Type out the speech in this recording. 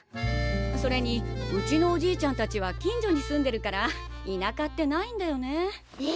それにうちのおじいちゃんたちは近所に住んでるから田舎ってないんだよねえ。